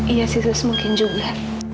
iya sih sus mungkin juga